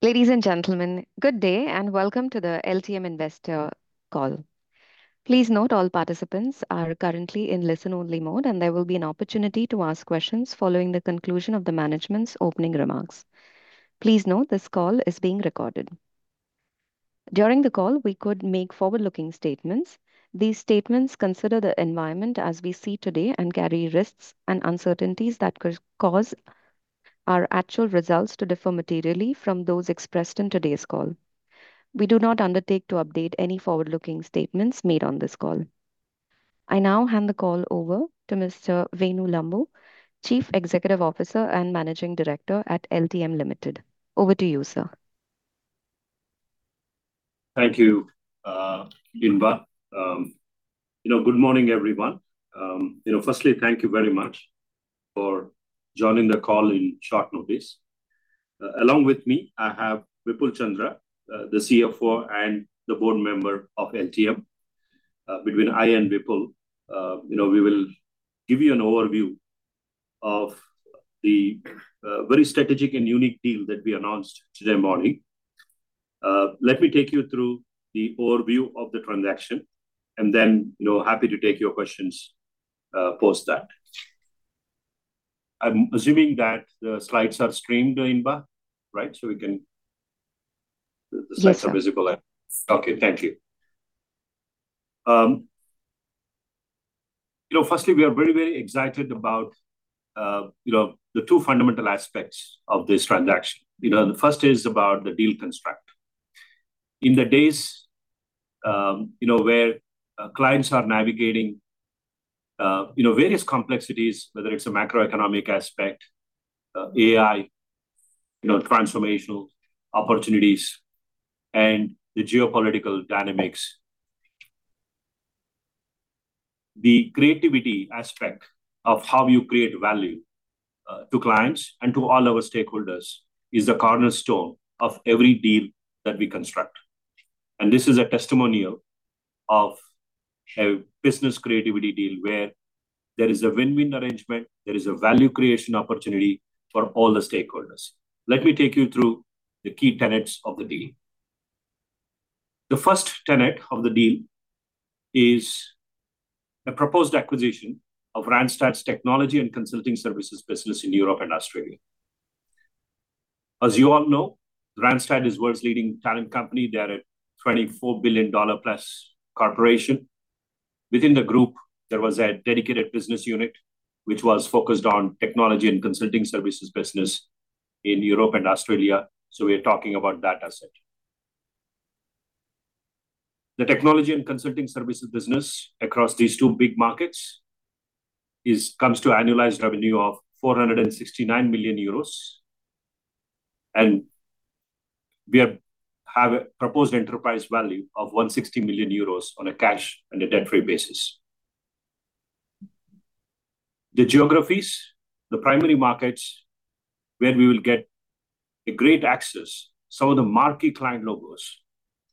Ladies and gentlemen, good day and welcome to the LTM investor call. Please note all participants are currently in listen-only mode, and there will be an opportunity to ask questions following the conclusion of the management's opening remarks. Please note this call is being recorded. During the call, we could make forward-looking statements. These statements consider the environment as we see today and carry risks and uncertainties that could cause our actual results to differ materially from those expressed in today's call. We do not undertake to update any forward-looking statements made on this call. I now hand the call over to Mr. Venu Lambu, Chief Executive Officer and Managing Director at LTM Limited. Over to you, sir. Thank you, Inba. Good morning, everyone. Firstly, thank you very much for joining the call in short notice. Along with me, I have Vipul Chandra, the CFO and the board member of LTM. Between I and Vipul, we will give you an overview of the very strategic and unique deal that we announced today morning. Let me take you through the overview of the transaction and then happy to take your questions post that. I'm assuming that the slides are streamed, Inba, right? Yes, sir. The slides are visible. Okay. Thank you. We are very excited about the two fundamental aspects of this transaction. The first is about the deal construct. In the days where clients are navigating various complexities, whether it's a macroeconomic aspect, AI, transformational opportunities, and the geopolitical dynamics. The creativity aspect of how you create value to clients and to all our stakeholders is the cornerstone of every deal that we construct. This is a testimonial of a business creativity deal where there is a win-win arrangement, there is a value creation opportunity for all the stakeholders. Let me take you through the key tenets of the deal. The 1st tenet of the deal is a proposed acquisition of Randstad's technology and consulting services business in Europe and Australia. As you all know, Randstad is world's leading talent company. They're a $24 billion plus corporation. Within the group, there was a dedicated business unit which was focused on technology and consulting services business in Europe and Australia. We're talking about that asset. The technology and consulting services business across these two big markets comes to annualized revenue of 469 million euros. We have a proposed enterprise value of 160 million euros on a cash and a debt-free basis. The geographies, the primary markets where we will get a great access, some of the marquee client logos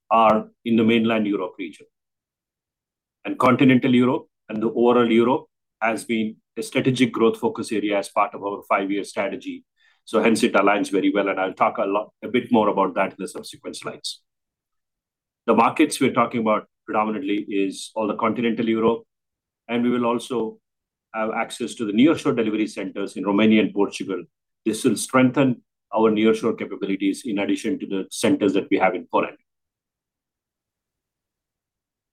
are in the mainland Europe region. Continental Europe and the overall Europe has been a strategic growth focus area as part of our five-year strategy. Hence it aligns very well, and I'll talk a bit more about that in the subsequent slides. The markets we're talking about predominantly is all the Continental Europe, and we will also have access to the nearshore delivery centers in Romania and Portugal. This will strengthen our nearshore capabilities in addition to the centers that we have in Poland.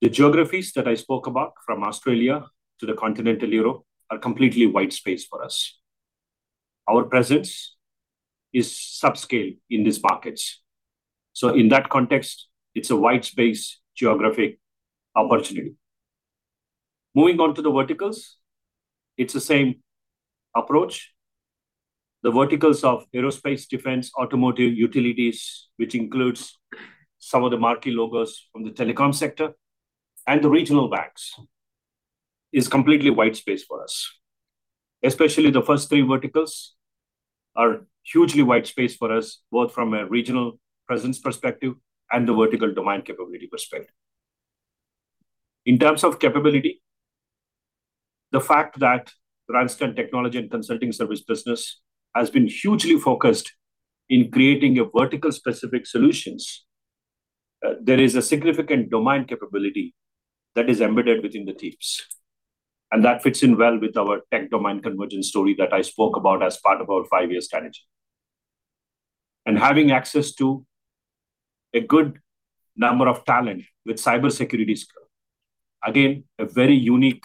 The geographies that I spoke about from Australia to the Continental Europe are completely white space for us. Our presence is subscale in these markets. In that context, it's a white space geographic opportunity. Moving on to the verticals, it's the same approach. The verticals of aerospace, defense, automotive, utilities, which includes some of the marquee logos from the telecom sector, and the regional banks, is completely white space for us. Especially the first three verticals are hugely white space for us, both from a regional presence perspective and the vertical domain capability perspective. In terms of capability, the fact that Randstad technology and consulting service business has been hugely focused in creating a vertical-specific solutions. There is a significant domain capability that is embedded within the teams, and that fits in well with our tech domain convergence story that I spoke about as part of our five-year strategy. Having access to a good number of talent with cybersecurity skill, again, a very unique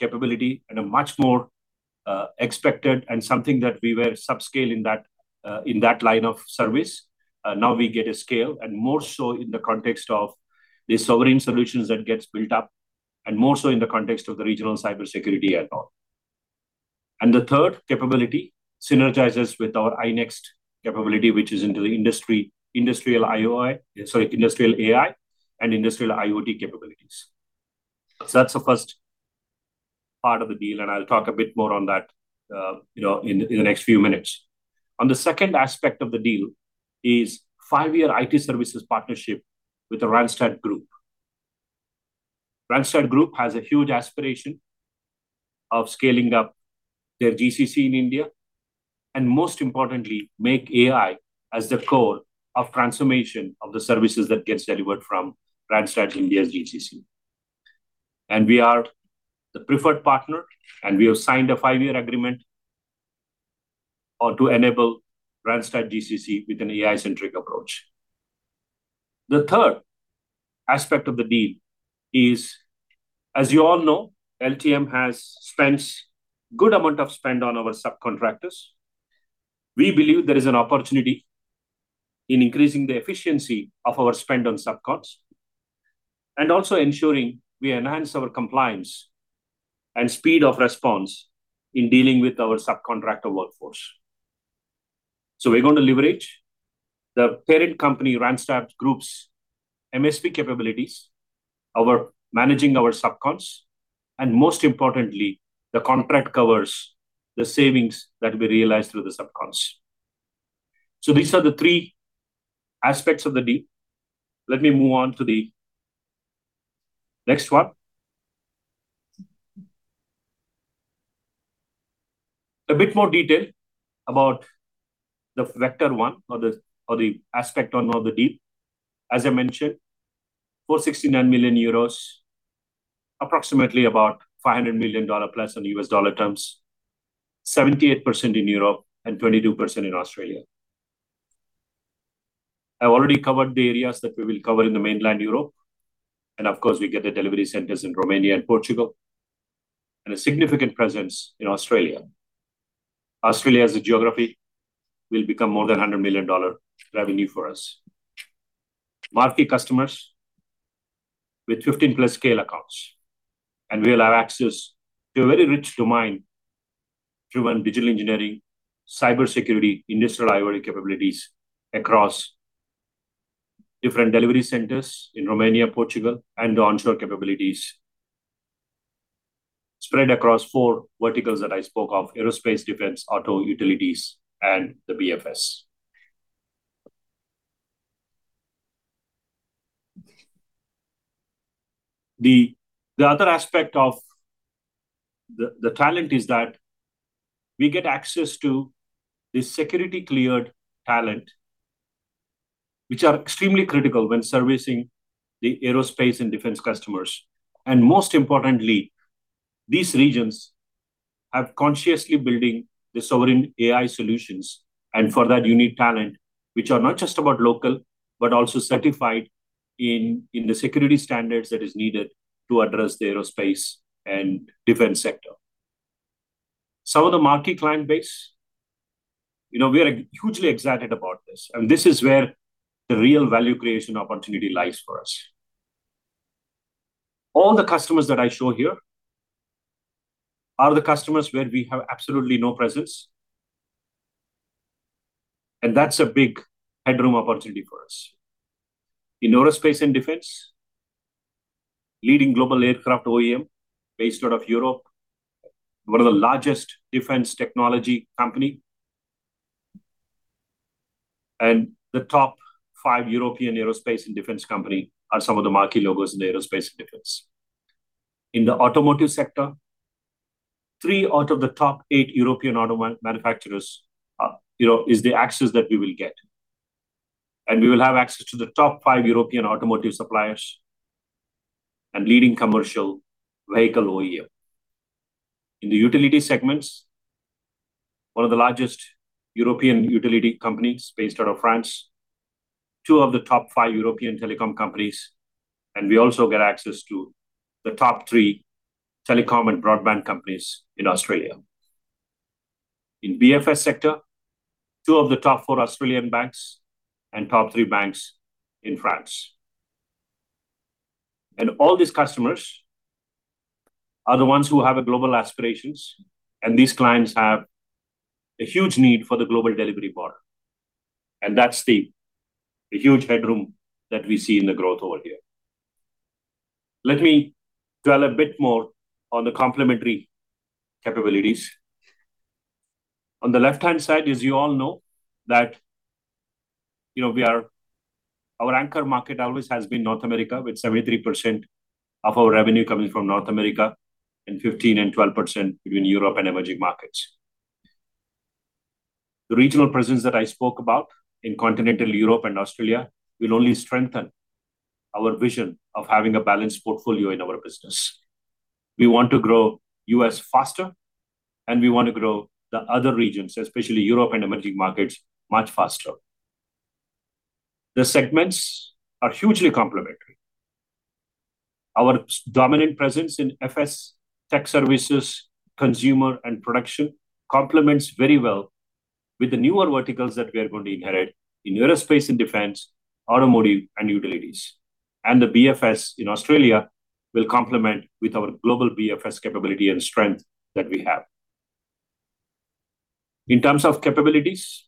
capability and a much more expected and something that we were subscale in that line of service. Now we get a scale, and more so in the context of the sovereign solutions that gets built up, and more so in the context of the regional cybersecurity add-on. The third capability synergizes with our iNXT capability, which is into the Industrial AI and Industrial IoT capabilities. That's the first part of the deal, and I'll talk a bit more on that in the next few minutes. On the second aspect of the deal is five-year IT services partnership with the Randstad Group. Randstad Group has a huge aspiration of scaling up their GCC in India, and most importantly, make AI as the core of transformation of the services that gets delivered from Randstad India's GCC. We are the preferred partner, and we have signed a five-year agreement to enable Randstad GCC with an AI-centric approach. The third aspect of the deal is, as you all know, LTM has spent good amount of spend on our subcontractors. We believe there is an opportunity in increasing the efficiency of our spend on sub-cons, and also ensuring we enhance our compliance and speed of response in dealing with our subcontractor workforce. We're going to leverage the parent company, Randstad Group's MSP capabilities, managing our sub-cons, and most importantly, the contract covers the savings that we realize through the sub-cons. Let me move on to the next one. A bit more detail about the vector one or the aspect one of the deal. As I mentioned, 469 million euros, approximately about $500+million in U.S. dollar terms, 78% in Europe and 22% in Australia. I've already covered the areas that we will cover in the mainland Europe, and of course, we get the delivery centers in Romania and Portugal, and a significant presence in Australia. Australia, as a geography, will become more than $100 million revenue for us. Marquee customers with 15+ scale accounts. We'll have access to a very rich domain-driven digital engineering, cybersecurity, Industrial IoT capabilities across different delivery centers in Romania, Portugal, and onshore capabilities spread across four verticals that I spoke of, Aerospace, Defense, Auto, Utilities, and the BFS. The other aspect of the talent is that we get access to the security-cleared talent, which are extremely critical when servicing the aerospace and defense customers. Most importantly, these regions are consciously building the sovereign AI solutions. For that, you need talent, which are not just about local, but also certified in the security standards that is needed to address the aerospace and defense sector. Some of the marquee client base. We are hugely excited about this, and this is where the real value creation opportunity lies for us. All the customers that I show here are the customers where we have absolutely no presence, and that's a big headroom opportunity for us. In aerospace and defense, leading global aircraft OEM based out of Europe, one of the largest defense technology company, and the top five European aerospace and defense company are some of the marquee logos in the aerospace and defense. In the automotive sector, three out of the top eight European auto manufacturers is the access that we will get. We will have access to the top five European automotive suppliers and leading commercial vehicle OEM. In the utility segments, one of the largest European utility companies based out of France, two of the top five European telecom companies, and we also get access to the top three telecom and broadband companies in Australia. In BFS sector, two of the top four Australian banks and top three banks in France. All these customers are the ones who have global aspirations, and these clients have a huge need for the global delivery model, and that's the huge headroom that we see in the growth over here. Let me dwell a bit more on the complementary capabilities. On the left-hand side, as you all know, that our anchor market always has been North America, with 73% of our revenue coming from North America and 15% and 12% between Europe and emerging markets. The regional presence that I spoke about in continental Europe and Australia will only strengthen our vision of having a balanced portfolio in our business. We want to grow U.S. faster, and we want to grow the other regions, especially Europe and emerging markets, much faster. The segments are hugely complementary. Our dominant presence in FS, tech services, consumer, and production complements very well with the newer verticals that we are going to inherit in aerospace and defense, automotive, and utilities. The BFS in Australia will complement with our global BFS capability and strength that we have. In terms of capabilities,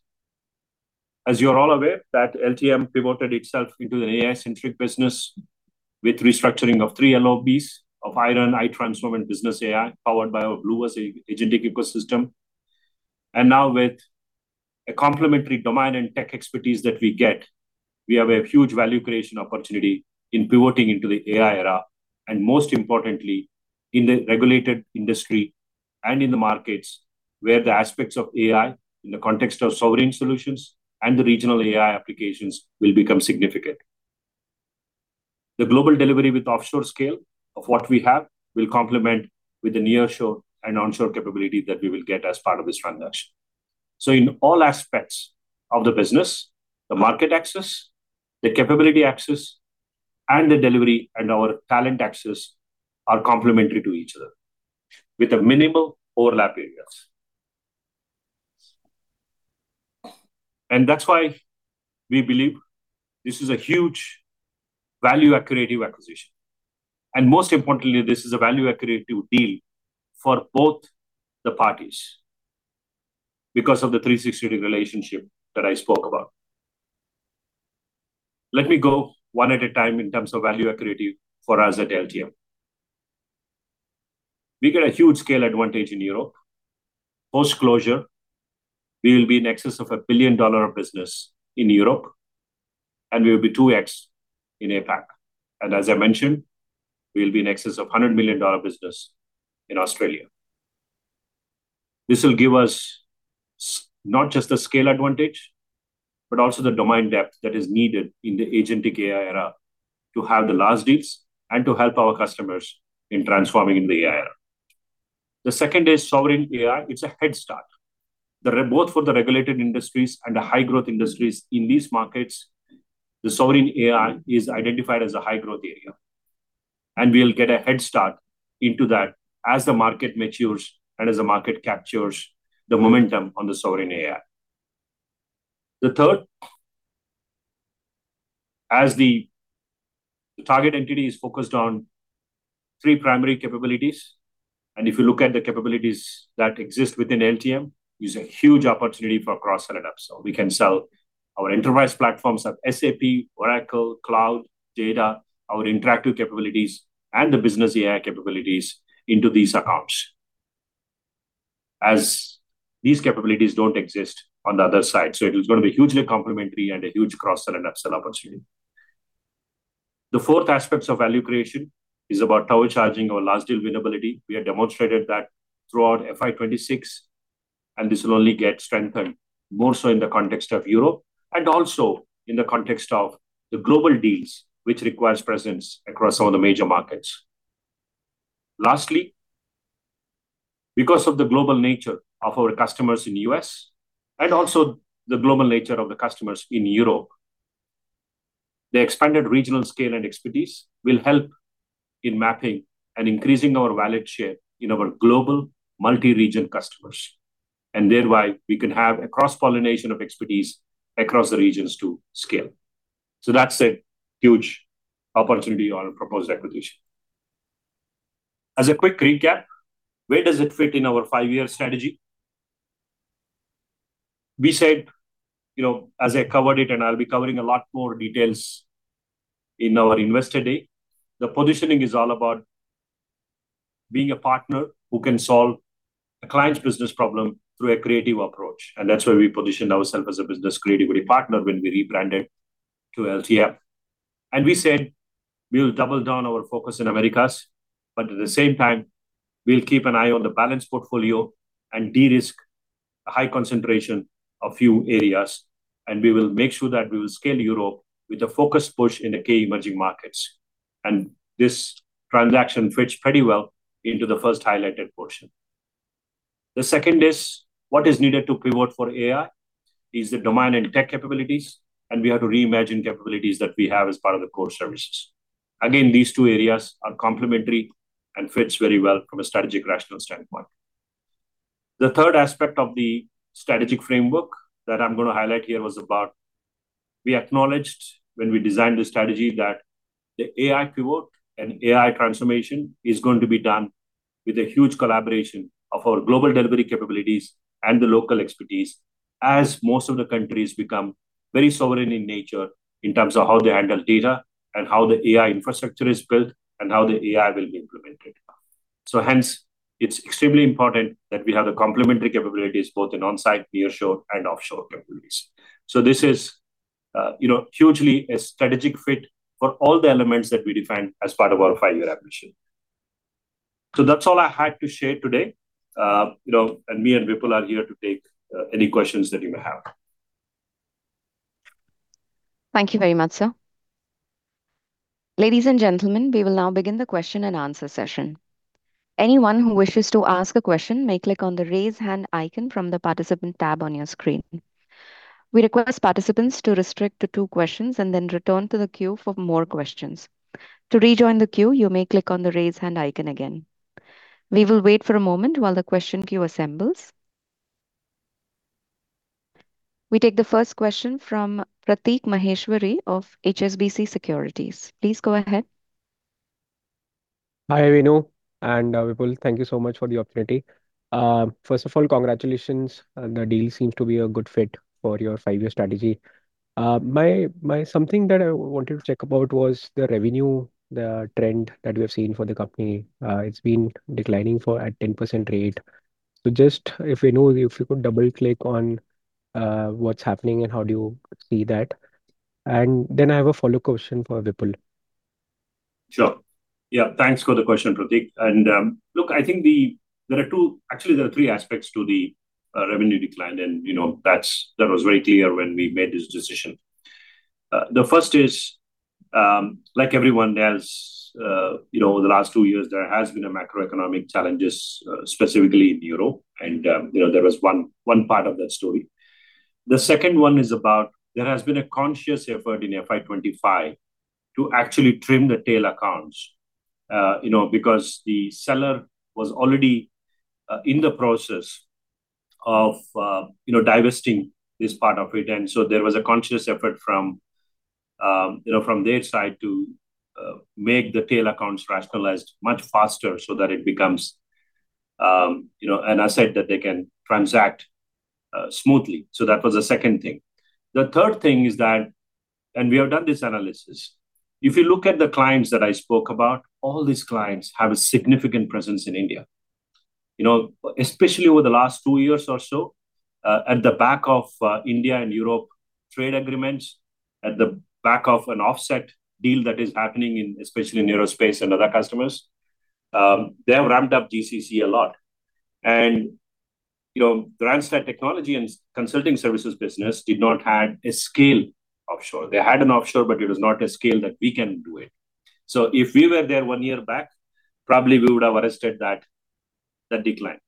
as you are all aware, that LTM pivoted itself into an AI-centric business with restructuring of three LOBs of iRun, iTransform, and Business AI, powered by our BlueVerse agentic ecosystem. Now with a complementary domain and tech expertise that we get, we have a huge value creation opportunity in pivoting into the AI era, and most importantly, in the regulated industry and in the markets where the aspects of AI in the context of sovereign solutions and the regional AI applications will become significant. The global delivery with offshore scale of what we have will complement with the nearshore and onshore capability that we will get as part of this transaction. In all aspects of the business, the market access, the capability access, and the delivery and our talent access are complementary to each other with minimal overlap areas. That's why we believe this is a huge value-accretive acquisition. Most importantly, this is a value-accretive deal for both the parties because of the 360 relationship that I spoke about. Let me go one at a time in terms of value accretive for us at LTM. We get a huge scale advantage in Europe. Post-closure, we will be in excess of a $1 billion business in Europe, and we will be 2x in APAC. As I mentioned, we'll be in excess of a $100 million business in Australia. This will give us not just the scale advantage, but also the domain depth that is needed in the agentic AI era to have the large deals and to help our customers in transforming in the AI era. The second is sovereign AI. It's a headstart. Both for the regulated industries and the high-growth industries in these markets, the sovereign AI is identified as a high-growth area, and we'll get a headstart into that as the market matures and as the market captures the momentum on the sovereign AI. The third, as the target entity is focused on three primary capabilities, and if you look at the capabilities that exist within LTM, is a huge opportunity for cross sell and upsell. We can sell our enterprise platforms at SAP, Oracle, Cloud, Data, our interactive capabilities, and the Business AI capabilities into these accounts, as these capabilities don't exist on the other side. It is going to be hugely complementary and a huge cross-sell and upsell opportunity. The fourth aspect of value creation is about turbocharged our large deal win-ability. We have demonstrated that throughout FY 2026. This will only get strengthened more so in the context of Europe and also in the context of the global deals which requires presence across all the major markets. Lastly, because of the global nature of our customers in U.S. and also the global nature of the customers in Europe, the expanded regional scale and expertise will help in mapping and increasing our wallet share in our global multi-region customers. Thereby, we can have a cross-pollination of expertise across the regions to scale. That's a huge opportunity on a proposed acquisition. As a quick recap, where does it fit in our five-year strategy? We said, as I covered it, I'll be covering a lot more details in our investor day, the positioning is all about being a partner who can solve a client's business problem through a creative approach. That's why we positioned ourself as a business creativity partner when we rebranded to LTM. We said we'll double down our focus in Americas, but at the same time, we'll keep an eye on the balanced portfolio and de-risk high concentration of few areas, and we will make sure that we will scale Europe with a focused push in the key emerging markets. This transaction fits pretty well into the first highlighted portion. The second is what is needed to pivot for AI is the domain and tech capabilities. We have to reimagine capabilities that we have as part of the core services. Again, these two areas are complementary and fits very well from a strategic rational standpoint. The third aspect of the strategic framework that I'm going to highlight here was about. We acknowledged when we designed the strategy that the AI pivot and AI transformation is going to be done with a huge collaboration of our global delivery capabilities and the local expertise, as most of the countries become very sovereign in nature in terms of how they handle data and how the AI infrastructure is built and how the AI will be implemented. Hence, it's extremely important that we have the complementary capabilities both in on-site, nearshore, and offshore capabilities. This is hugely a strategic fit for all the elements that we defined as part of our five-year ambition. That's all I had to share today. Me and Vipul are here to take any questions that you may have. Thank you very much, sir. Ladies and gentlemen, we will now begin the question-and-answer session. Anyone who wishes to ask a question may click on the raise hand icon from the participant tab on your screen. We request participants to restrict to two questions and then return to the queue for more questions. To rejoin the queue, you may click on the raise hand icon again. We will wait for a moment while the question queue assembles. We take the first question from Prateek Maheshwari of HSBC Securities. Please go ahead. Hi, Venu and Vipul. Thank you so much for the opportunity. First of all, congratulations. The deal seems to be a good fit for your five-year strategy. Something that I wanted to check about was the revenue, the trend that we have seen for the company. It's been declining at a 10% rate. Just if you could double-click on what's happening and how do you see that. I have a follow-up question for Vipul. Sure. Yeah. Thanks for the question, Prateek. Look, I think actually there are three aspects to the revenue decline, and that was very clear when we made this decision. The first is, like everyone else, over the last two years, there has been macroeconomic challenges, specifically in Europe, and that was one part of that story. The second one is about there has been a conscious effort in FY 2025 to actually trim the tail accounts, because the seller was already in the process of divesting this part of it. There was a conscious effort from their side to make the tail accounts rationalized much faster so that it becomes an asset that they can transact smoothly. That was the second thing. The third thing is that, and we have done this analysis, if you look at the clients that I spoke about, all these clients have a significant presence in India. Especially over the last two years or so, at the back of India and Europe trade agreements, at the back of an offset deal that is happening especially in aerospace and other customers, they have ramped up GCC a lot. Randstad technology and consulting services business did not have a scale offshore. They had an offshore, but it was not a scale that we can do it. If we were there one year back, probably we would have arrested that decline.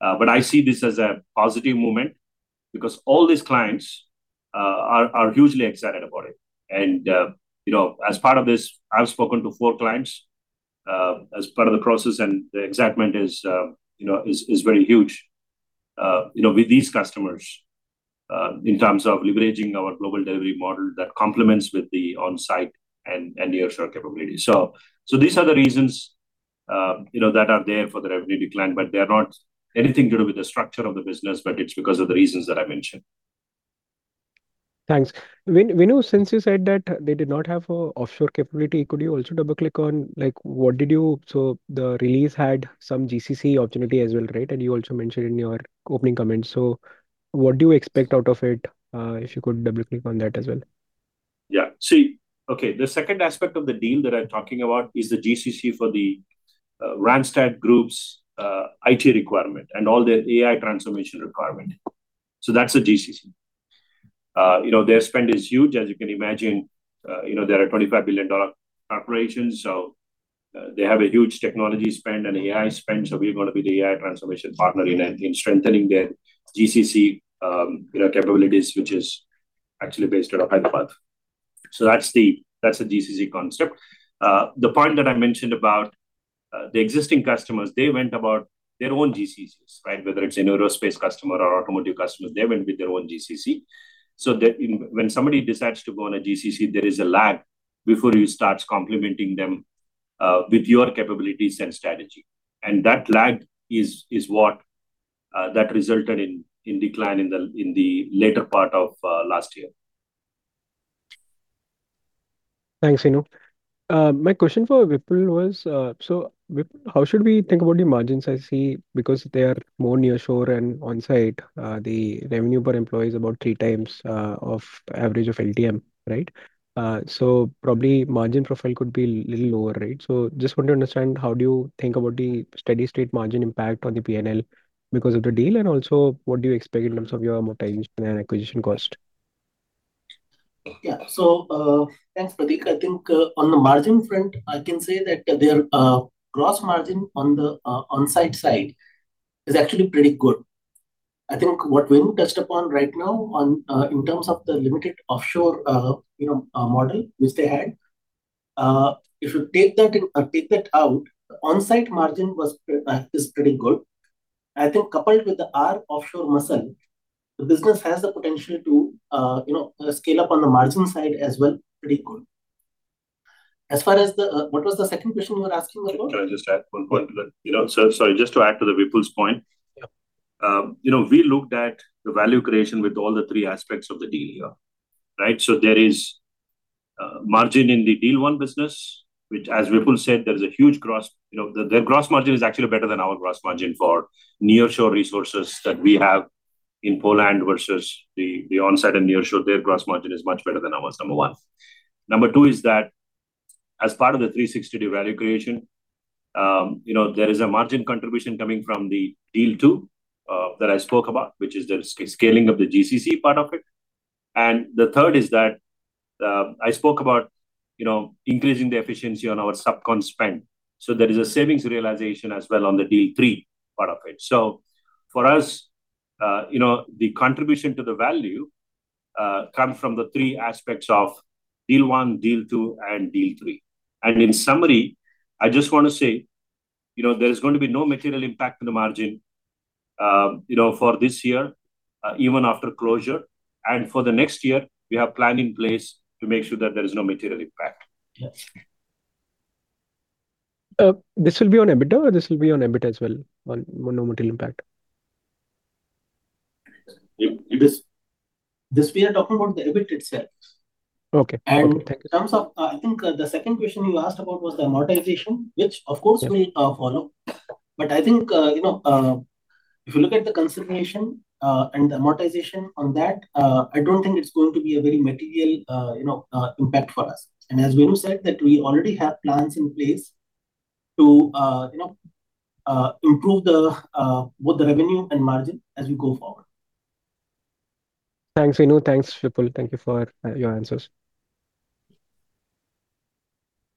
I see this as a positive moment because all these clients are hugely excited about it. As part of this, I've spoken to four clients as part of the process, and the excitement is very huge with these customers in terms of leveraging our global delivery model that complements with the onsite and nearshore capability. These are the reasons that are there for the revenue decline, but they are not anything to do with the structure of the business, but it's because of the reasons that I mentioned. Thanks. Venu, since you said that they did not have an offshore capability, could you also double-click on So the release had some GCC opportunity as well, right? You also mentioned in your opening comments. What do you expect out of it? If you could double-click on that as well. The second aspect of the deal that I'm talking about is the GCC for the Randstad Group's IT requirement and all their AI transformation requirement. That's a GCC. Their spend is huge. As you can imagine, they are a $25 billion operation, so they have a huge technology spend and AI spend. We're going to be the AI transformation partner in strengthening their GCC capabilities, which is actually based out of Hyderabad. That's the GCC concept. The point that I mentioned about the existing customers, they went about their own GCCs, right? Whether it's an aerospace customer or automotive customers, they went with their own GCC. When somebody decides to go on a GCC, there is a lag before you start complementing them with your capabilities and strategy. That lag is what resulted in decline in the later part of last year. Thanks, Venu. My question for Vipul was, Vipul, how should we think about the margins? I see because they are more nearshore and onsite, the revenue per employee is about 3x of average of LTM, right? Probably margin profile could be a little lower, right? Just want to understand, how do you think about the steady state margin impact on the P&L because of the deal, and also what do you expect in terms of your amortization and acquisition cost? Yeah. Thanks, Prateek. I think on the margin front, I can say that their gross margin on the onsite side is actually pretty good. I think what Venu touched upon right now in terms of the limited offshore model which they had. If you take that out, the onsite margin is pretty good. I think coupled with our offshore muscle, the business has the potential to scale up on the margin side as well pretty good. What was the second question you were asking, Prateek? Can I just add one point to that? Sorry, just to add to Vipul's point. Yeah. We looked at the value creation with all the three aspects of the deal here, right? There is margin in the deal one business, which as Vipul said, their gross margin is actually better than our gross margin for nearshore resources that we have in Poland versus the onsite and nearshore. Their gross margin is much better than ours, number one. Number two is that as part of the 360-degree value creation, there is a margin contribution coming from the deal two that I spoke about, which is the scaling of the GCC part of it. The third is that I spoke about increasing the efficiency on our subcon spend. There is a savings realization as well on the deal three part of it. For us, the contribution to the value comes from the three aspects of deal one, deal two, and deal three. In summary, I just want to say, there is going to be no material impact on the margin for this year, even after closure. For the next year, we have plan in place to make sure that there is no material impact. Yes. This will be on EBITDA, or this will be on EBITDA as well, on no material impact? This, we are talking about the EBIT itself. Okay. Thank you. In terms of, I think the second question you asked about was the amortization, which of course will follow. I think, if you look at the consideration, and the amortization on that, I don't think it's going to be a very material impact for us. As Venu said, that we already have plans in place to improve both the revenue and margin as we go forward. Thanks, Venu. Thanks, Vipul. Thank you for your answers.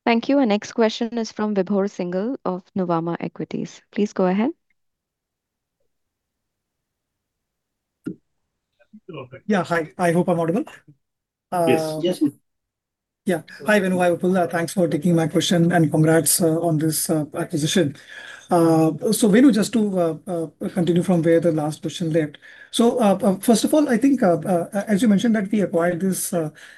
Thank you. Our next question is from Vibhor Singhal of Nuvama Equities. Please go ahead. Yeah. Hi. I hope I'm audible. Yes. Yes. Hi, Venu, Vipul. Thanks for taking my question, and congrats on this acquisition. Venu, just to continue from where the last question left. First of all, I think, as you mentioned that we acquired this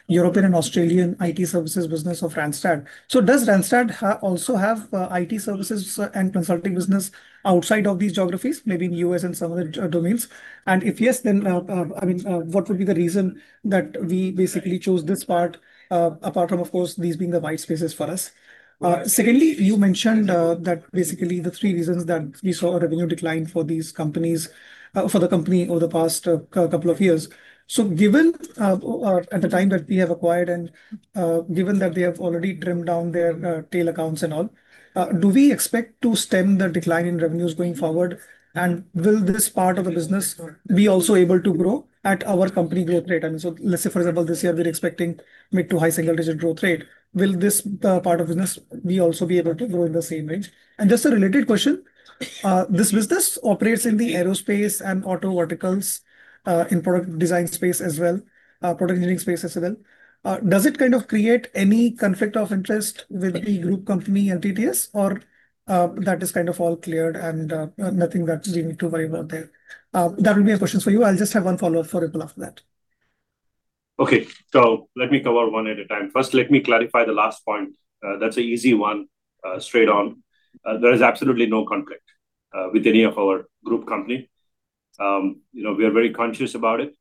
European and Australian IT services business of Randstad. Does Randstad also have IT services and consulting business outside of these geographies, maybe in U.S. and some other domains? If yes, then, what would be the reason that we basically chose this part, apart from, of course, these being the white spaces for us? Secondly, you mentioned that basically the three reasons that we saw a revenue decline for the company over the past couple of years. Given at the time that we have acquired and, given that they have already trimmed down their tail accounts and all, do we expect to stem the decline in revenues going forward? Will this part of the business be also able to grow at our company growth rate? Let's say, for example, this year we're expecting mid to high single-digit growth rate. Will this part of business be also able to grow in the same range? Just a related question. This business operates in the aerospace and auto verticals, in product design space as well, product engineering space as well. Does it kind of create any conflict of interest with the group company entities or, that is kind of all cleared and, nothing that you need to worry about there? That will be a question for you. I'll just have one follow-up for Vipul after that. Okay, let me cover one at a time. First, let me clarify the last point. That's an easy one, straight on. There is absolutely no conflict with any of our group company. We are very conscious about it.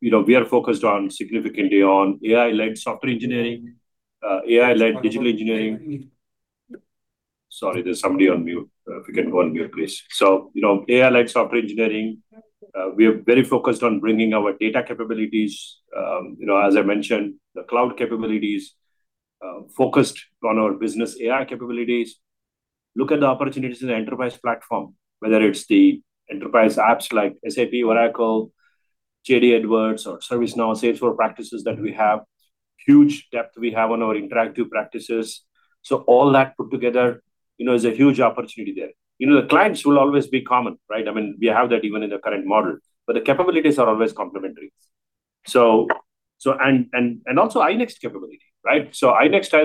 We are focused on significantly on AI-led software engineering, AI-led digital engineering. Sorry, there's somebody on mute. If you can go on mute, please. AI-led software engineering. We are very focused on bringing our data capabilities, as I mentioned, the cloud capabilities, focused on our Business AI capabilities. Look at the opportunities in the enterprise platform, whether it's the enterprise apps like SAP, Oracle, JD Edwards or ServiceNow, Salesforce practices that we have. Huge depth we have on our interactive practices. All that put together is a huge opportunity there. The clients will always be common, right? We have that even in the current model, but the capabilities are always complementary. Also iNXT capability, right? iNXT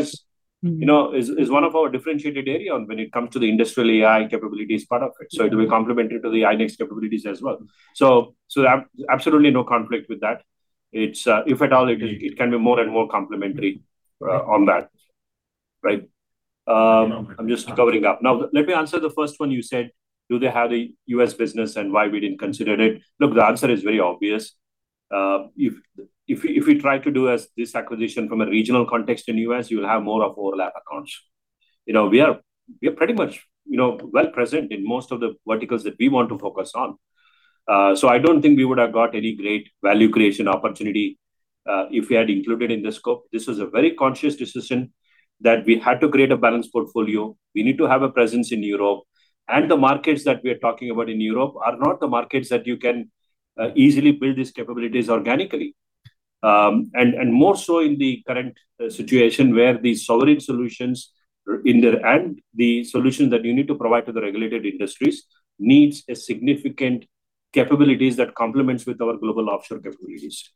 is one of our differentiated area when it comes to the Industrial AI capabilities part of it. It will be complementary to the iNXT capabilities as well. Absolutely no conflict with that. If at all, it can be more and more complementary, on that. Right. I'm just covering up. Now, let me answer the first one you said, do they have a U.S. business and why we didn't consider it? Look, the answer is very obvious. If we try to do as this acquisition from a regional context in U.S., you will have more of overlap accounts. We are pretty much well-present in most of the verticals that we want to focus on. I don't think we would have got any great value creation opportunity, if we had included in the scope. This was a very conscious decision that we had to create a balanced portfolio. We need to have a presence in Europe. The markets that we are talking about in Europe are not the markets that you can easily build these capabilities organically. More so in the current situation where the sovereign solutions and the solutions that you need to provide to the regulated industries needs a significant capabilities that complements with our global offshore capabilities.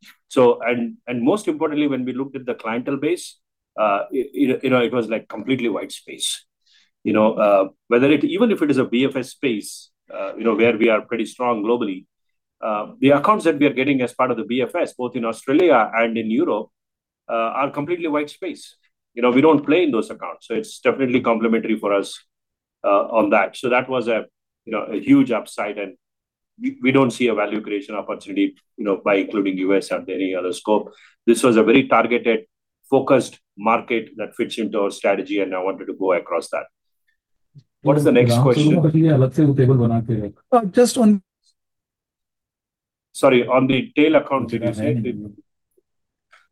Most importantly, when we looked at the clientele base, it was like completely white space. Even if it is a BFS space where we are pretty strong globally, the accounts that we are getting as part of the BFS, both in Australia and in Europe, are completely white space. We don't play in those accounts, it's definitely complementary for us on that. That was a huge upside, we don't see a value creation opportunity by including U.S. at any other scope. This was a very targeted, focused market that fits into our strategy, I wanted to go across that. What is the next question? Just on- Sorry, on the tail accounts, did you say?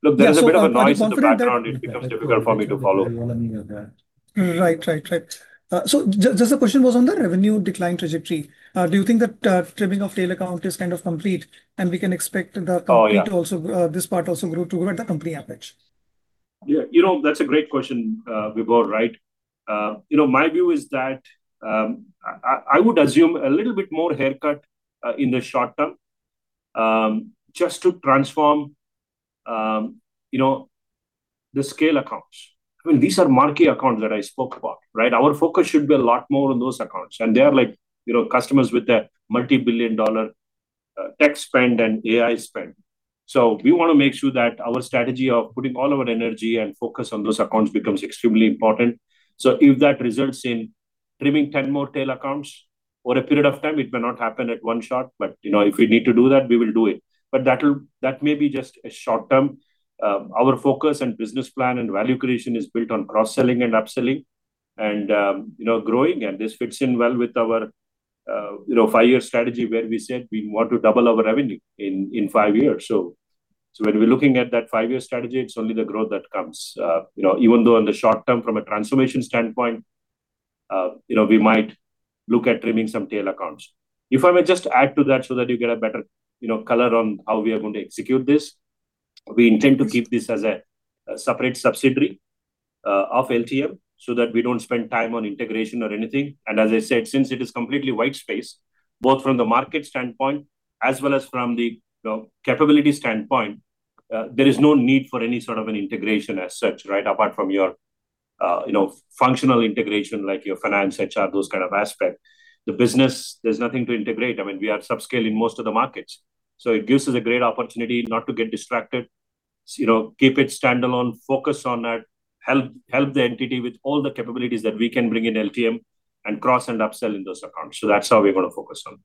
Look, there's a bit of a noise in the background. It becomes difficult for me to follow. Right. The question was on the revenue decline trajectory. Do you think that trimming of tail account is kind of complete and we can expect the company to this part also grow at the company average? Yeah. That's a great question, Vibhor. My view is that I would assume a little bit more haircut in the short term, just to transform the scale accounts. These are marquee accounts that I spoke about, right? Our focus should be a lot more on those accounts, and they are like customers with a multi-billion dollar tech spend and AI spend. We want to make sure that our strategy of putting all of our energy and focus on those accounts becomes extremely important. If that results in trimming 10 more tail accounts over a period of time, it may not happen at one shot, but if we need to do that, we will do it. That may be just short term. Our focus and business plan and value creation is built on cross-selling and upselling and growing, and this fits in well with our five-year strategy where we said we want to double our revenue in five years. When we're looking at that five-year strategy, it's only the growth that comes. Even though in the short term, from a transformation standpoint, we might look at trimming some tail accounts. If I may just add to that so that you get a better color on how we are going to execute this. We intend to keep this as a separate subsidiary of LTM so that we don't spend time on integration or anything. As I said, since it is completely white space, both from the market standpoint as well as from the capability standpoint, there is no need for any sort of an integration as such, apart from your functional integration, like your finance, HR, those kind of aspect. The business, there's nothing to integrate. We are sub-scale in most of the markets, so it gives us a great opportunity not to get distracted, keep it standalone, focus on it, help the entity with all the capabilities that we can bring in LTM and cross and upsell in those accounts. That's how we're going to focus on.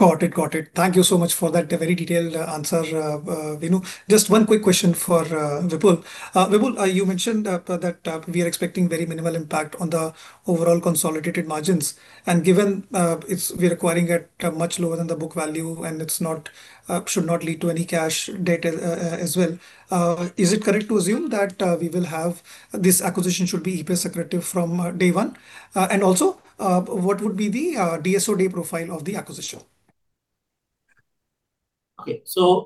Got it. Thank you so much for that very detailed answer, Venu. Just one quick question for Vipul. Vipul, you mentioned that we are expecting very minimal impact on the overall consolidated margins. Given we're acquiring at much lower than the book value and it should not lead to any cash debt as well, is it correct to assume that this acquisition should be EPS accretive from day one? Also, what would be the DSO day profile of the acquisition? Okay.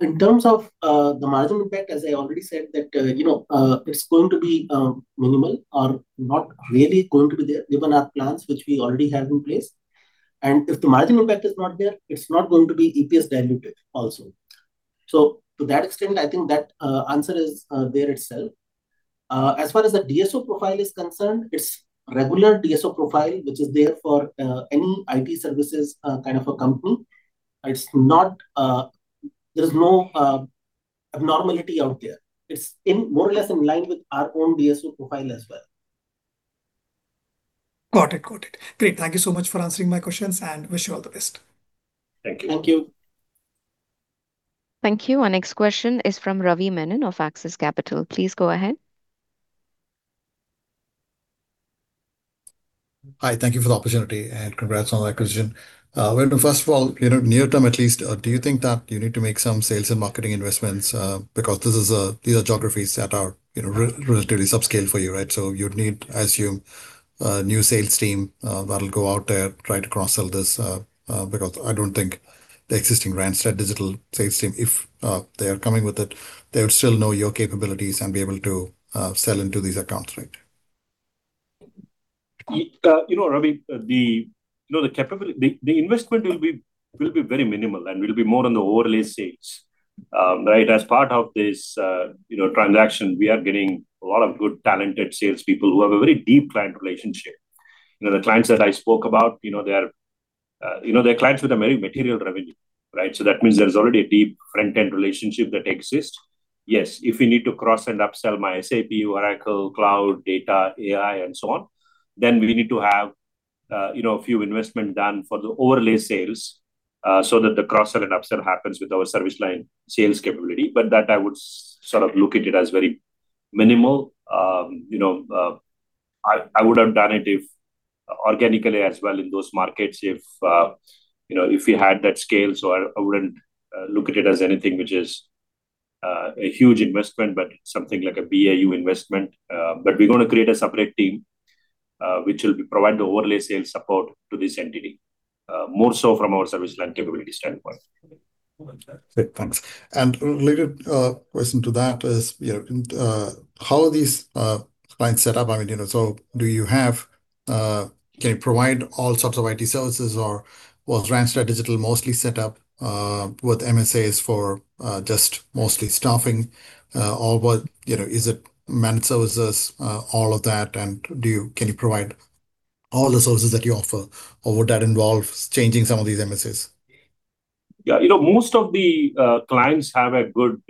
In terms of the margin impact, as I already said, it's going to be minimal or not really going to be there given our plans, which we already have in place. If the margin impact is not there, it's not going to be EPS dilutive also. To that extent, I think that answer is there itself. As far as the DSO profile is concerned, it's regular DSO profile, which is there for any IT services kind of a company. There's no abnormality out there. It's more or less in line with our own DSO profile as well. Got it. Great. Thank you so much for answering my questions, and wish you all the best. Thank you. Thank you. Thank you. Our next question is from Ravi Menon of Axis Capital. Please go ahead. Hi. Thank you for the opportunity. Congrats on the acquisition. Venu, first of all, near term at least, do you think that you need to make some sales and marketing investments? These are geographies that are relatively subscale for you. You'd need, I assume, a new sales team that'll go out there, try to cross-sell this, because I don't think the existing Randstad Digital sales team, if they are coming with it, they would still know your capabilities and be able to sell into these accounts, right? Ravi, the investment will be very minimal, and will be more on the overlay sales. As part of this transaction, we are getting a lot of good talented salespeople who have a very deep client relationship. The clients that I spoke about, they are clients with a very material revenue. That means there's already a deep front-end relationship that exists. Yes, if we need to cross- and upsell my SAP, Oracle, Cloud, data, AI and so on, then we need to have a few investment done for the overlay sales, so that the cross-sell and upsell happens with our service line sales capability. That I would sort of look at it as very minimal. I would have done it organically as well in those markets if we had that scale. I wouldn't look at it as anything which is a huge investment, but something like a BAU investment. We're going to create a separate team, which will provide the overlay sales support to this entity. More so from our service line capability standpoint. Okay. Got that. Great, thanks. Related question to that is, how are these clients set up? Can you provide all sorts of IT services? Was Randstad Digital mostly set up with MSAs for just mostly staffing? Is it managed services, all of that, and can you provide all the services that you offer, or would that involve changing some of these MSAs? Most of the clients have good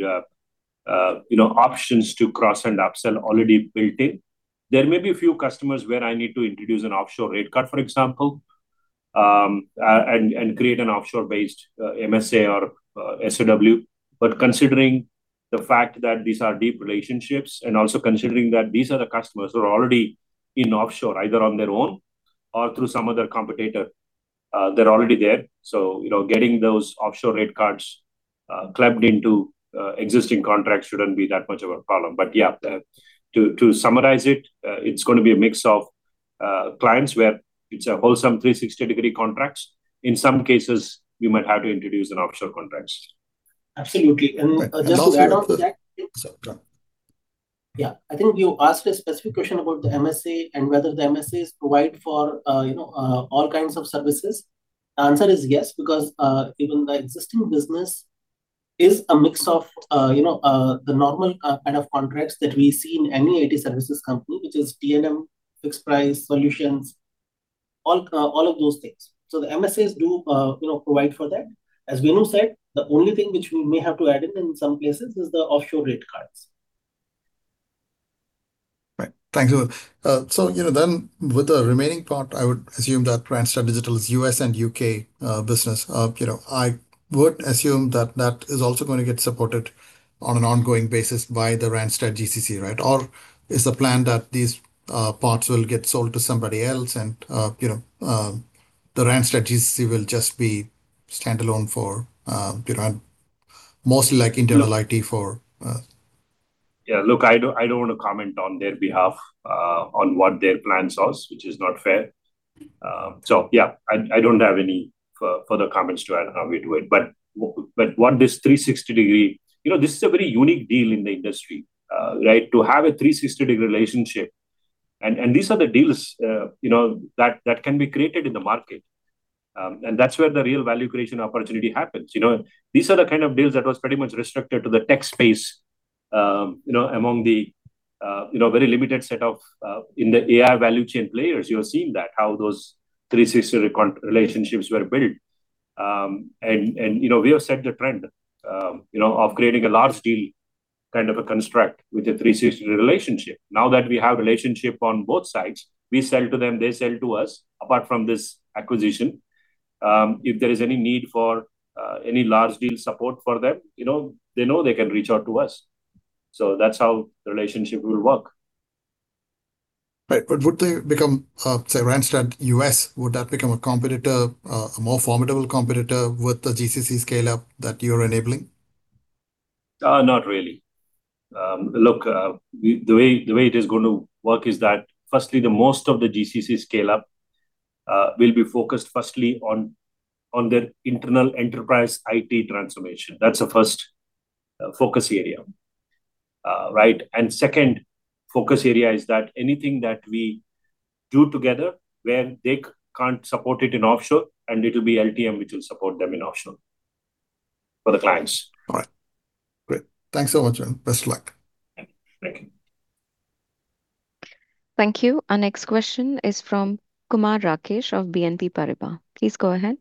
options to cross- and upsell already built in. There may be a few customers where I need to introduce an offshore rate cut, for example, and create an offshore-based MSA or SOW. Considering the fact that these are deep relationships, and also considering that these are the customers who are already in offshore, either on their own or through some other competitor, they're already there. Getting those offshore rate cards clapped into existing contracts shouldn't be that much of a problem. Yeah, to summarize it's going to be a mix of clients where it's a wholesome 360-degree contracts. In some cases, we might have to introduce an offshore contracts. Absolutely. Just to add on to that- Sorry. Go on. I think you asked a specific question about the MSA and whether the MSAs provide for all kinds of services. The answer is yes, because even the existing business is a mix of the normal kind of contracts that we see in any IT services company, which is T&M, fixed price solutions, all of those things. The MSAs do provide for that. As Venu said, the only thing which we may have to add in in some places is the offshore rate cards. Right. Thanks, Venu. With the remaining part, I would assume that Randstad Digital's U.S. and U.K. business, I would assume that that is also going to get supported on an ongoing basis by the Randstad GCC, right? Or is the plan that these parts will get sold to somebody else and the Randstad GCC will just be standalone for mostly like internal IT. Yeah, look, I don't want to comment on their behalf on what their plan is, which is not fair. Yeah. I don't have any further comments to add on how we do it. This is a very unique deal in the industry, right? To have a 360-degree relationship. These are the deals that can be created in the market, and that's where the real value creation opportunity happens. These are the kind of deals that was pretty much restricted to the tech space among the very limited set of, in the AI value chain players, you are seeing that, how those 360-degree relationships were built. We have set the trend of creating a large deal, kind of a construct, with a 360-degree relationship. Now that we have relationship on both sides, we sell to them, they sell to us. Apart from this acquisition, if there is any need for any large deal support for them, they know they can reach out to us. That's how the relationship will work. Right. Would they become, say, Randstad U.S., would that become a competitor, a more formidable competitor with the GCC scale-up that you're enabling? Not really. Look, the way it is going to work is that firstly, the most of the GCC scale-up will be focused firstly on their internal enterprise IT transformation. That's the first focus area. Right. Second focus area is that anything that we do together where they can't support it in offshore, and it'll be LTM Limited which will support them in offshore for the clients. All right. Great. Thanks so much. Best of luck. Thank you. Thank you. Our next question is from Kumar Rakesh of BNP Paribas. Please go ahead.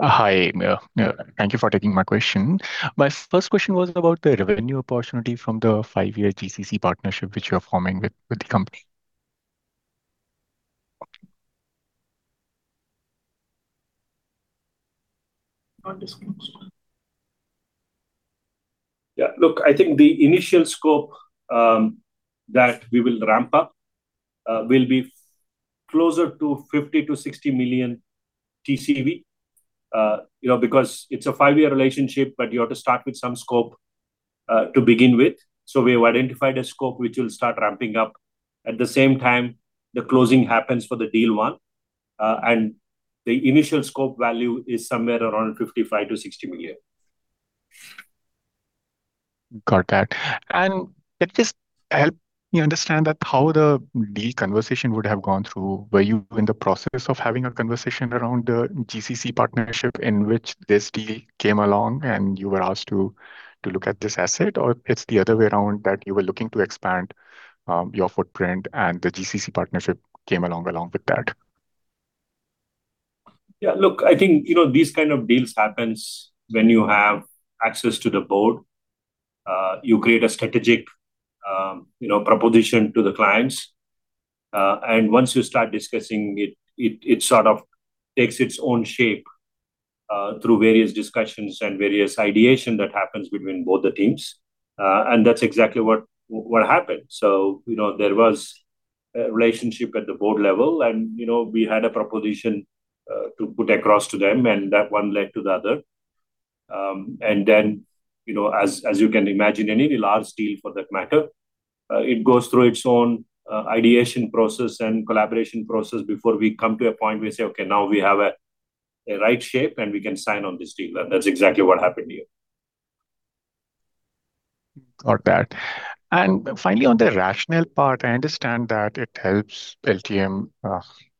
Hi. Thank you for taking my question. My first question was about the revenue opportunity from the five-year GCC partnership which you're forming with the company. Not disclosed. Yeah. Look, I think the initial scope that we will ramp up will be closer to $50 million-$60 million TCV. Because it's a five-year relationship, but you have to start with some scope to begin with. We have identified a scope which we'll start ramping up at the same time the closing happens for the deal one. The initial scope value is somewhere around $55 million-$60 million. Got that. Let this help me understand that how the deal conversation would have gone through. Were you in the process of having a conversation around the GCC partnership in which this deal came along and you were asked to look at this asset? It's the other way around, that you were looking to expand your footprint and the GCC partnership came along along with that? Look, I think these kind of deals happens when you have access to the board. You create a strategic proposition to the clients. Once you start discussing it sort of takes its own shape through various discussions and various ideation that happens between both the teams. That's exactly what happened. There was a relationship at the board level and we had a proposition to put across to them, and that one led to the other. Then, as you can imagine, any large deal for that matter, it goes through its own ideation process and collaboration process before we come to a point we say, "Okay, now we have a right shape and we can sign on this deal." That's exactly what happened here. Got that. Finally, on the rationale part, I understand that it helps LTM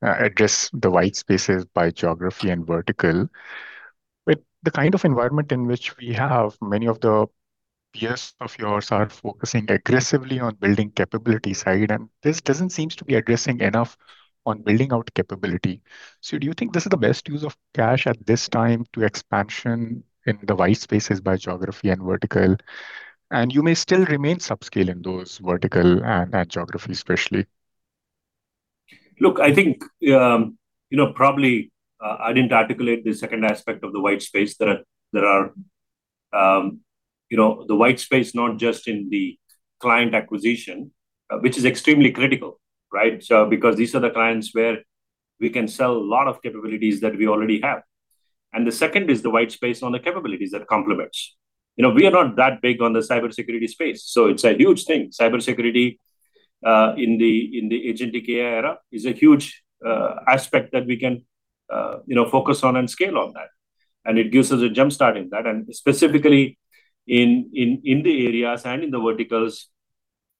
address the white spaces by geography and vertical. With the kind of environment in which we have, many of the peers of yours are focusing aggressively on building capability side, and this doesn't seems to be addressing enough on building out capability. Do you think this is the best use of cash at this time to expansion in the white spaces by geography and vertical, and you may still remain subscale in those vertical and geography especially? I think probably I didn't articulate the second aspect of the white space. The white space not just in the client acquisition, which is extremely critical, right? These are the clients where we can sell a lot of capabilities that we already have. The second is the white space on the capabilities that complements. We are not that big on the cybersecurity space, it's a huge thing. Cybersecurity in the agentic AI era is a huge aspect that we can focus on and scale on that. It gives us a jump start in that, specifically in the areas and in the verticals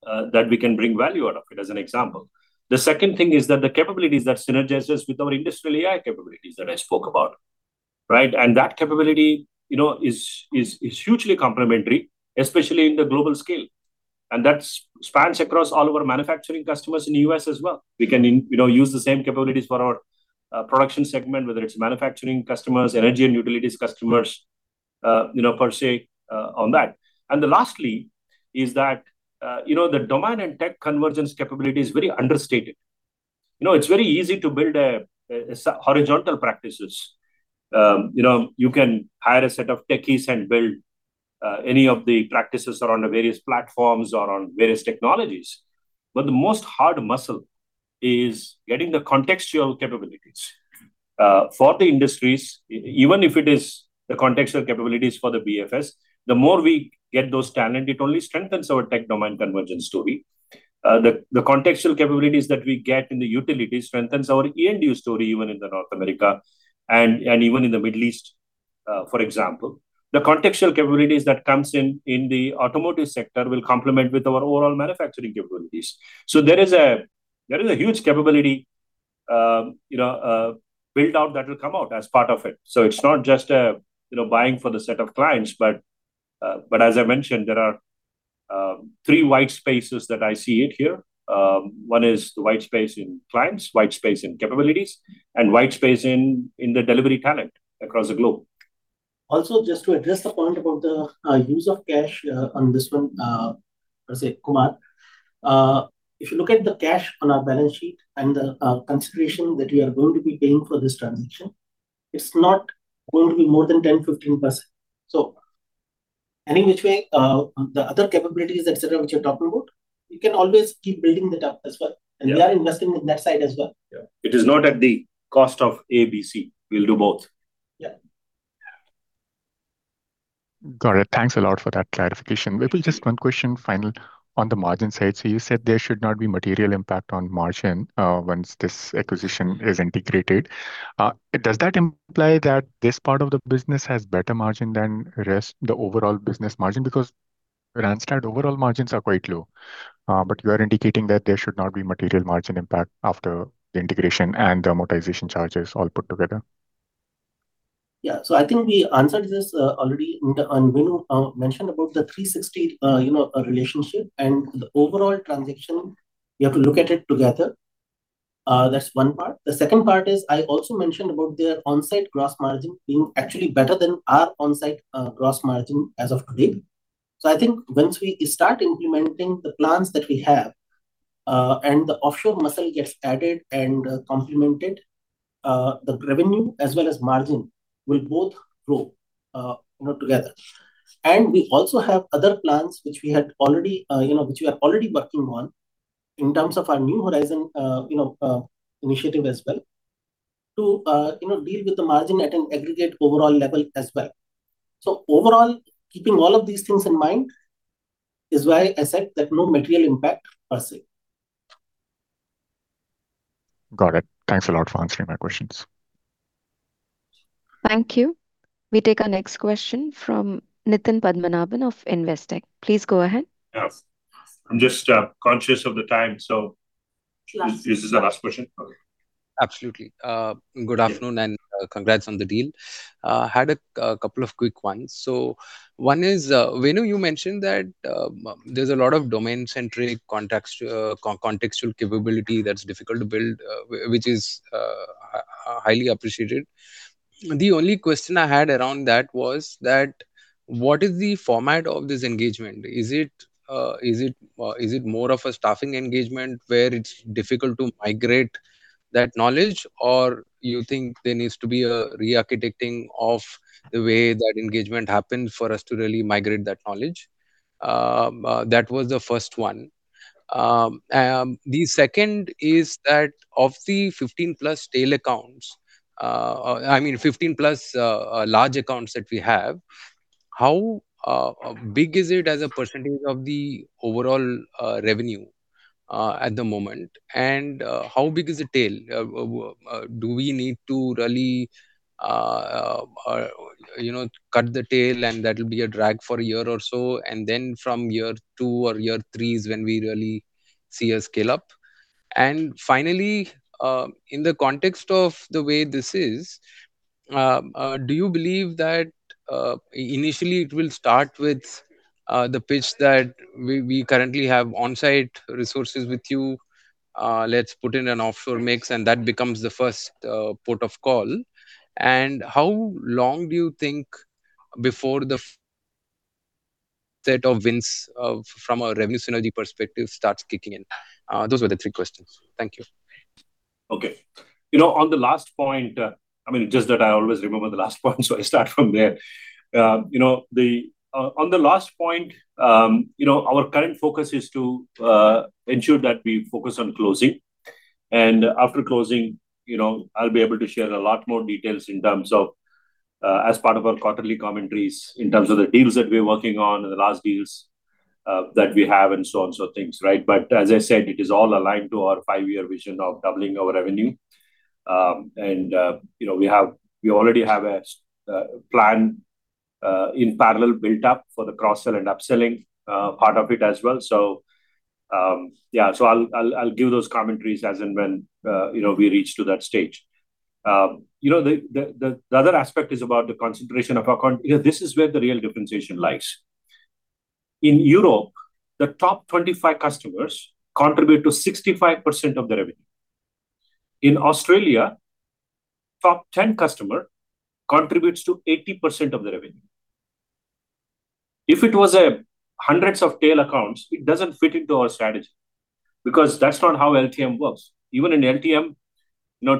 that we can bring value out of it, as an example. The second thing is that the capabilities that synergizes with our Industrial AI capabilities that I spoke about. Right? That capability is hugely complementary, especially in the global scale. That spans across all of our Manufacturing customers in the U.S. as well. We can use the same capabilities for our Manufacturing segment, whether it is Manufacturing customers, E&U customers. Lastly, is that the domain and tech convergence capability is very understated. It is very easy to build horizontal practices. You can hire a set of techies and build any of the practices around the various platforms or on various technologies. The most hard muscle is getting the contextual capabilities for the industries, even if it is the contextual capabilities for the BFS. The more we get those talent, it only strengthens our tech domain convergence story. The contextual capabilities that we get in the utilities strengthens our E&U story, even in the North America and even in the Middle East, for example. The contextual capabilities that comes in the automotive sector will complement with our overall Manufacturing capabilities. There is a huge capability build-out that will come out as part of it. It's not just buying for the set of clients, but as I mentioned, there are three white spaces that I see it here. One is the white space in clients, white space in capabilities, and white space in the delivery talent across the globe. Just to address the point about the use of cash on this one, per se, Kumar. If you look at the cash on our balance sheet and the consideration that we are going to be paying for this transaction, it's not going to be more than 10%-15%. Any which way, the other capabilities, et cetera, which you're talking about, we can always keep building that up as well. Yeah. We are investing in that side as well. Yeah. It is not at the cost of A, B, C. We'll do both. Yeah. Got it. Thanks a lot for that clarification. Maybe just one question final on the margin side. You said there should not be material impact on margin once this acquisition is integrated. Does that imply that this part of the business has better margin than the overall business margin? Randstad overall margins are quite low. You are indicating that there should not be material margin impact after the integration and the amortization charges all put together. I think we answered this already, Venu mentioned about the 360 relationship. The overall transaction, we have to look at it together. That's one part. The second part is, I also mentioned about their onsite gross margin being actually better than our onsite gross margin as of today. I think once we start implementing the plans that we have, the offshore muscle gets added and complemented, the revenue as well as margin will both grow together. We also have other plans which we are already working on in terms of our New Horizon initiative as well to deal with the margin at an aggregate overall level as well. Overall, keeping all of these things in mind is why I said that no material impact, per se. Got it. Thanks a lot for answering my questions. Thank you. We take our next question from Nitin Padmanabhan of Investec. Please go ahead. Yeah. I'm just conscious of the time, so. Last. Is this the last question? Okay. Absolutely. Good afternoon, and congrats on the deal. Had a couple of quick ones. One is, Venu, you mentioned that there's a lot of domain-centric contextual capability that's difficult to build, which is highly appreciated. The only question I had around that was that what is the format of this engagement? Is it more of a staffing engagement where it's difficult to migrate that knowledge, or you think there needs to be a re-architecting of the way that engagement happened for us to really migrate that knowledge? That was the first one. The second is that of the 15+ tail accounts, I mean 15+ large accounts that we have, how big is it as a percentage of the overall revenue at the moment? How big is the tail? Do we need to really cut the tail, and that'll be a drag for a year or so, and then from year two or year three is when we really see a scale-up? Finally, in the context of the way this is, do you believe that initially it will start with the pitch that we currently have on-site resources with you, let's put in an offshore mix and that becomes the first port of call. How long do you think before the set of wins from a revenue synergy perspective starts kicking in? Those were the three questions. Thank you. Okay. On the last point, just that I always remember the last point, so I start from there. On the last point, our current focus is to ensure that we focus on closing. After closing, I'll be able to share a lot more details in terms of as part of our quarterly commentaries, in terms of the deals that we're working on and the last deals that we have and so on so things, right. As I said, it is all aligned to our five-year vision of doubling our revenue. We already have a plan in parallel build up for the cross-sell and upselling part of it as well. Yeah. I'll give those commentaries as and when we reach to that stage. The other aspect is about the concentration of account. This is where the real differentiation lies. In Europe, the top 25 customers contribute to 65% of the revenue. In Australia, top 10 customer contributes to 80% of the revenue. If it was hundreds of tail accounts, it doesn't fit into our strategy, because that's not how LTM works. Even in LTM,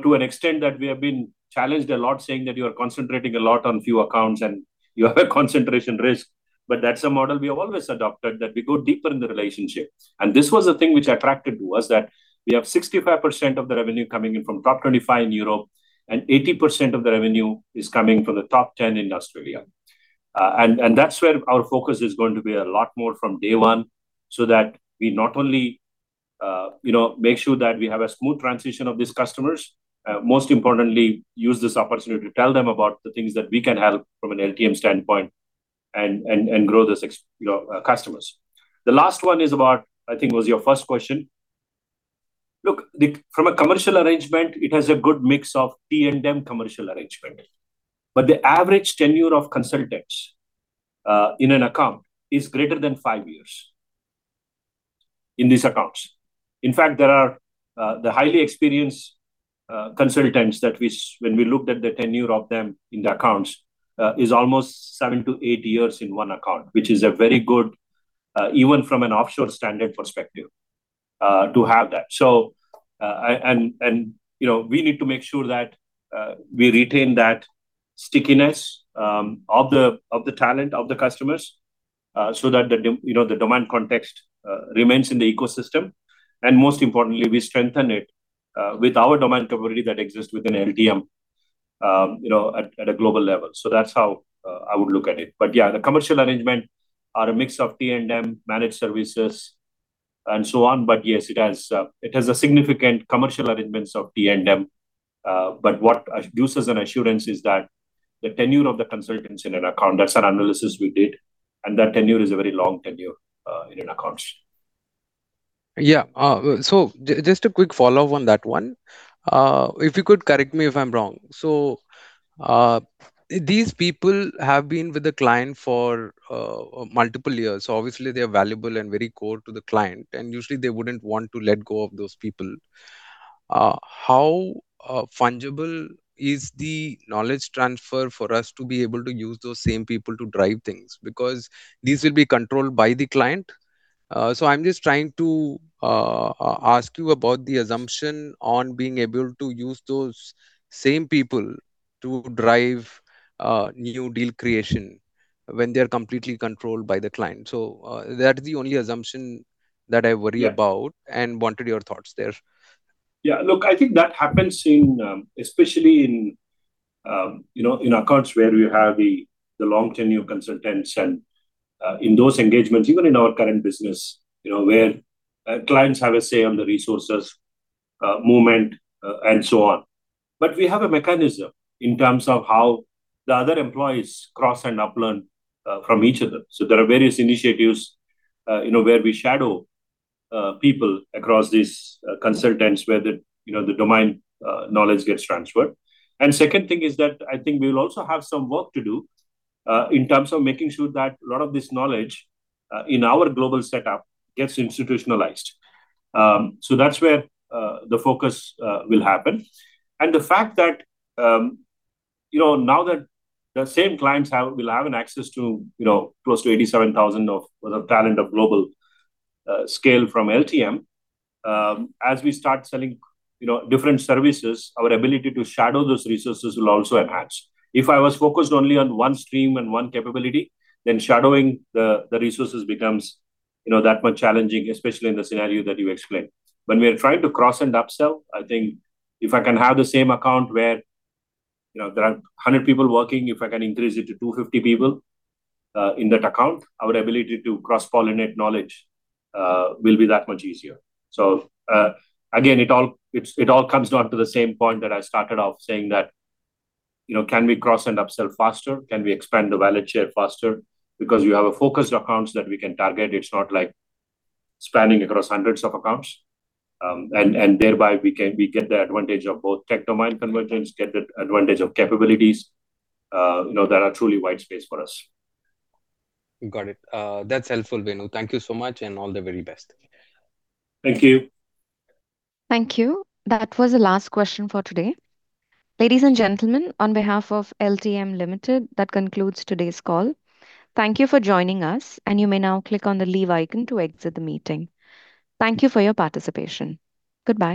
to an extent that we have been challenged a lot, saying that you are concentrating a lot on few accounts and you have a concentration risk. That's a model we have always adopted, that we go deeper in the relationship. This was the thing which attracted to us, that we have 65% of the revenue coming in from top 25 in Europe, and 80% of the revenue is coming from the top 10 in Australia. That's where our focus is going to be a lot more from day one, so that we not only make sure that we have a smooth transition of these customers, most importantly, use this opportunity to tell them about the things that we can help from an LTM standpoint and grow the customers. The last one is about, I think was your first question. Look, from a commercial arrangement, it has a good mix of T&M commercial arrangement. The average tenure of consultants in an account is greater than five years, in these accounts. In fact, the highly experienced consultants, when we looked at the tenure of them in the accounts, is almost seven to eight years in one account. Which is very good, even from an offshore standard perspective, to have that. We need to make sure that we retain that stickiness of the talent, of the customers, so that the domain context remains in the ecosystem. Most importantly, we strengthen it with our domain capability that exists within LTM at a global level. That's how I would look at it. Yeah, the commercial arrangement are a mix of T&M managed services and so on. Yes, it has a significant commercial arrangements of T&M. What gives us an assurance is that the tenure of the consultants in an account, that's an analysis we did, and that tenure is a very long tenure in an accounts. Yeah. Just a quick follow-up on that one. If you could correct me if I'm wrong. These people have been with the client for multiple years, so obviously they're valuable and very core to the client, and usually they wouldn't want to let go of those people. How fungible is the knowledge transfer for us to be able to use those same people to drive things? These will be controlled by the client. I'm just trying to ask you about the assumption on being able to use those same people to drive new deal creation when they're completely controlled by the client. That is the only assumption that I worry about and wanted your thoughts there. Yeah, look, I think that happens especially in accounts where we have the long tenure consultants. In those engagements, even in our current business, where clients have a say on the resources, movement, and so on. We have a mechanism in terms of how the other employees cross and up learn from each other. There are various initiatives where we shadow people across these consultants, where the domain knowledge gets transferred. Second thing is that I think we'll also have some work to do in terms of making sure that a lot of this knowledge, in our global setup, gets institutionalized. That's where the focus will happen. The fact that now that the same clients will have an access to close to 87,000 of talent of global scale from LTM. As we start selling different services, our ability to shadow those resources will also enhance. If I was focused only on one stream and one capability, then shadowing the resources becomes that much challenging, especially in the scenario that you explained. When we are trying to cross and up sell, I think if I can have the same account where there are 100 people working, if I can increase it to 250 people in that account, our ability to cross-pollinate knowledge will be that much easier. Again, it all comes down to the same point that I started off saying that, can we cross and up sell faster? Can we expand the wallet share faster? We have a focused accounts that we can target. It's not like spanning across hundreds of accounts. Thereby we get the advantage of both tech domain convergence, get the advantage of capabilities that are truly white space for us. Got it. That's helpful, Venu. Thank you so much, and all the very best. Thank you. Thank you. That was the last question for today. Ladies and gentlemen, on behalf of LTM Limited, that concludes today's call. Thank you for joining us, and you may now click on the leave icon to exit the meeting. Thank you for your participation. Goodbye